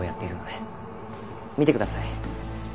見てください。